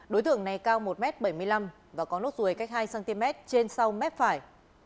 đối tượng này cao một m bảy mươi năm và có nốt ruồi cách hai cm trên sau mép phải